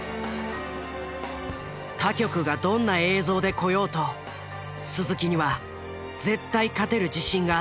他局がどんな映像で来ようと鈴木には絶対勝てる自信があった。